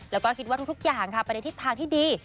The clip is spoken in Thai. แล้วก็คิดว่าทุกอย่างค่ะไปในทิศทางที่ดี